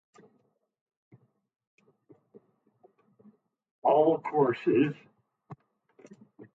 All courses have high success rates, and students enjoy their time at the college.